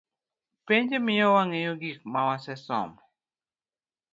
Penj miyowa wangeyo gik ma wasesomo.